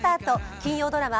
金曜ドラマ